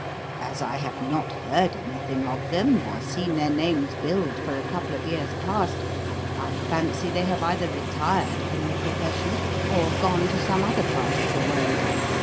As I have not heard anything of them nor seen their names billed for a couple of years past, I fancy they have either retired from the profession or gone to some other part of the world.